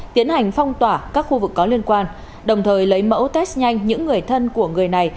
tiến hành phong tỏa các khu vực có liên quan đồng thời lấy mẫu test nhanh những người thân của người này